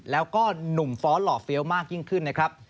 แล้วก็หนุ่มฟ้อนหล่อเฟี้ยวมากยิ่งขึ้นนะครับ